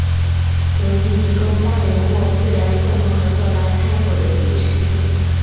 游戏提供单人或四人共同合作来探索游戏世界。